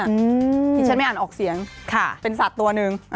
ที่ฉันไม่อ่านออกเสียงเป็นสัตว์ตัวหนึ่ง